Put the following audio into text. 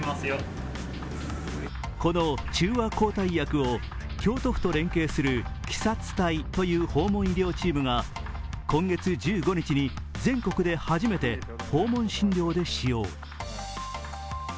この中和抗体薬を京都府と連携するＫＩＳＡ２隊という訪問医療チームが今月１５日に全国で初めて訪問診療で使用。